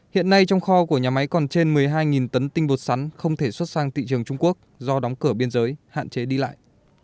hiện nay trong kho của nhà máy còn trên một mươi hai tấn tinh bột sắn không thể xuất sang thị trường trung quốc do đóng cửa biên giới hạn chế đi lại